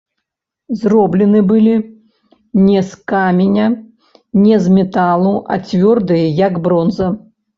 Зроблены былі не з каменя, не з металу, а цвёрдыя, як бронза.